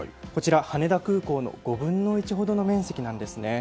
羽田空港の５分の１ほどの面積なんですね。